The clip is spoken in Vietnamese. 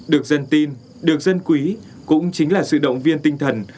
được dân tin được dân quý cũng chính là sự động viên tinh thần